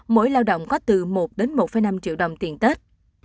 mỗi lao động có từ một đến một năm triệu đồng tiền tết